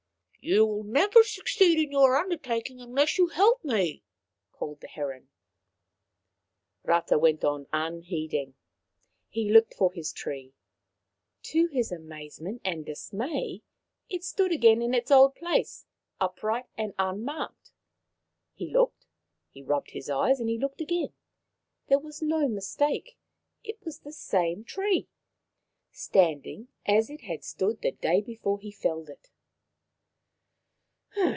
" You will never succeed in your undertaking unless you help me," called the heron. Rata walked on, unheeding. He looked for his tree. To his amazement and dismay, it stood again in its old place, upright and unmarked. He looked, he rubbed his eyes, he looked again. There was no mistake. It was the same tree, standing as it had stood the day before he felled it.